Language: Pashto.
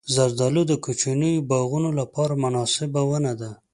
زردالو د کوچنیو باغونو لپاره مناسبه ونه ده.